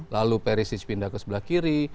lalu perisis pindah ke sebelah kiri